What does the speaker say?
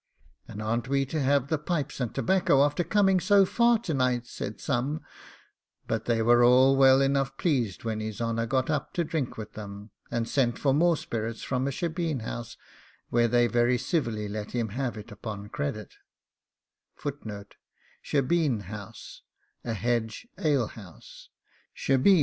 'And aren't we to have the pipes and tobacco, after coming so far to night?' said some; but they were all well enough pleased when his honour got up to drink with them, and sent for more spirits from a shebeen house, where they very civilly let him have it upon credit.